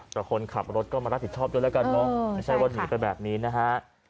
แต่คนขับรถก็มารับผิดชอบด้วยแล้วกันเนอะไม่ใช่ว่าหนีไปแบบนี้นะฮะ